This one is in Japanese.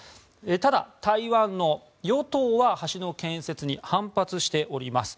ただ、台湾の与党は橋の建設に反発しております。